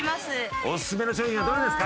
おすすめの商品はどれですか？